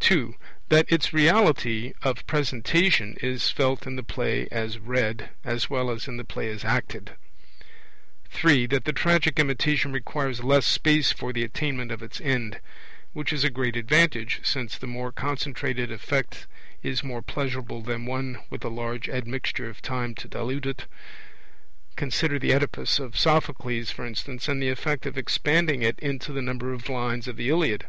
(2) That its reality of presentation is felt in the play as read, as well as in the play as acted. (3) That the tragic imitation requires less space for the attainment of its end; which is a great advantage, since the more concentrated effect is more pleasurable than one with a large admixture of time to dilute it consider the Oedipus of Sophocles, for instance, and the effect of expanding it into the number of lines of the Iliad.